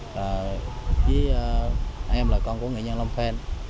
với em là con của nghệ nhân lam phen